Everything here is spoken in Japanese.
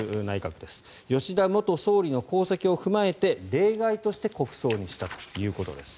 吉田元総理の功績を踏まえて例外として国葬にしたということです。